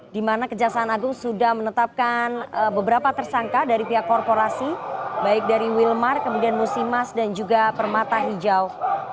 di mana kejaksaan agung sudah menetapkan beberapa tersangka dari pihak korporasi baik dari wilmar kemudian musimas dan juga permata hijau